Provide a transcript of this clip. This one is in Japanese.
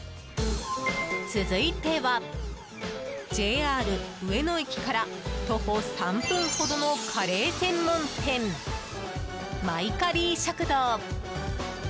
続いてはＪＲ上野駅から徒歩３分ほどのカレー専門店、マイカリー食堂。